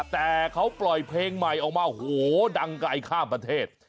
แต่เขาปล่อยเพลงใหม่ออกมาโหดังไกลข้ามประเทศ